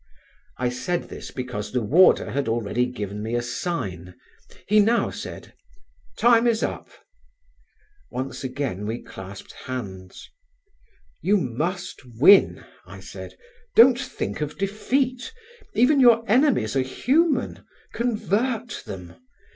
I said this because the warder had already given me a sign; he now said: "Time is up." Once again we clasped hands. "You must win," I said; "don't think of defeat. Even your enemies are human. Convert them.